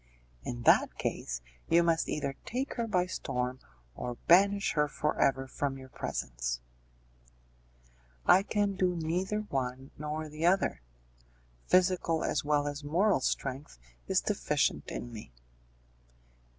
"In that case, you must either take her by storm, or banish her for ever from your presence." "I can do neither one nor the other; physical as well as moral strength is deficient in me."